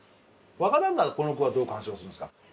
若旦那はこの句はどう鑑賞するんですか？